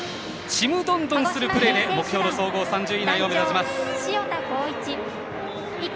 ちむどんどんするプレーで目標の総合成績３０位台を狙います。